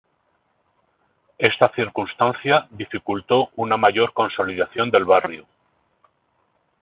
Esta circunstancia dificultó una mayor consolidación del barrio.